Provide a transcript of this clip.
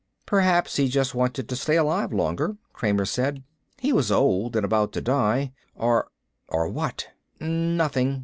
"Perhaps he just wanted to stay alive longer," Kramer said. "He was old and about to die. Or " "Or what?" "Nothing."